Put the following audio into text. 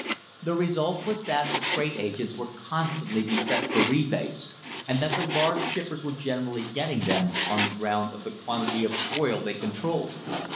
The result was that the freigh agents were constantly beset for rebates, and that the larg< shippers were generally getting them on the ground of th< quantity of oil they controlled.